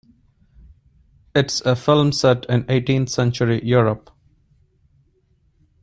It's a film set in eighteenth century Europe.